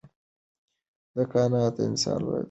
قناعت د انسان لویه شتمني ده.